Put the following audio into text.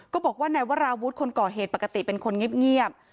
ก็บอกว่านายวราวุฒิคนก่อเหตุปกติเป็นคนเงียบ